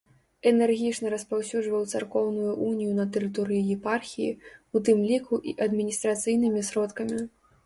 Энергічна распаўсюджваў царкоўную унію на тэрыторыі епархіі, у тым ліку і адміністрацыйнымі сродкамі.